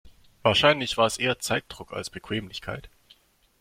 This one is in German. Wahrscheinlich war es eher Zeitdruck als Bequemlichkeit.